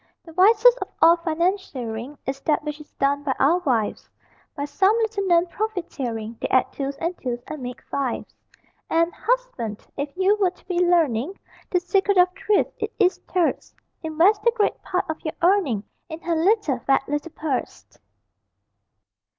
The wisest of all financiering Is that which is done by our wives: By some little known profiteering They add twos and twos and make fives; And, husband, if you would be learning The secret of thrift, it is terse: Invest the great part of your earning In her little, fat little purse.